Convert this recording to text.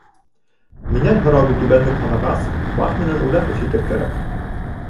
Минән һорауҙы түбәнлек һанағас, баш менән уйлап эш итер кәрәк!